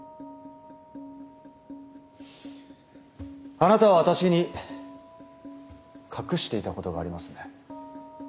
あなたは私に隠していたことがありますね？